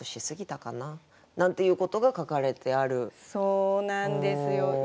そうなんですよ。